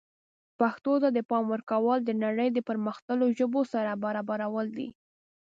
پښتو ته د پام ورکول د نړۍ د پرمختللو ژبو سره برابرول دي.